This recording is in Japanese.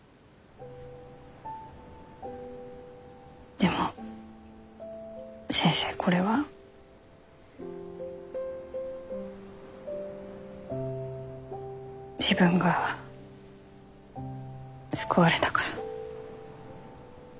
でも先生これは。自分が救われたから？